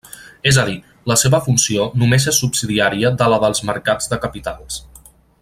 És a dir, la seva funció només és subsidiària de la dels mercats de capitals.